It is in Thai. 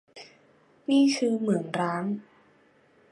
นี่คือเหมืองร้าง